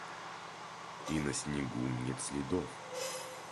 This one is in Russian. И на снегу нет следов!